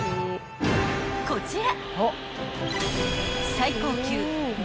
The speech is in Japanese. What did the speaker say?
［こちら！］